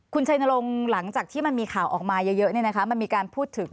คุณชัยนรงค์หลังจากที่มันมีข่าวออกมาเยอะมันมีการพูดถึง